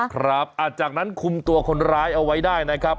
ครับจากนั้นคุมตัวคนร้ายเอาไว้ได้นะครับ